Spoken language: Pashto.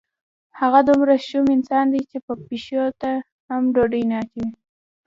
هغه دومره شوم انسان دی چې پیشو ته هم ډوډۍ نه اچوي.